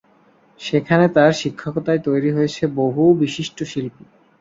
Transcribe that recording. সেখানে তার শিক্ষকতায় তৈরী হয়েছেন বহু বিশিষ্ট শিল্পী।